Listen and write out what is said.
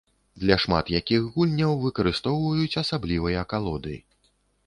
Для шмат якіх гульняў выкарыстоўваюць асаблівыя калоды.